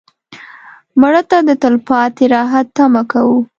مړه ته د تلپاتې راحت تمه کوو